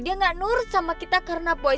dia gak nurut sama kita karena boy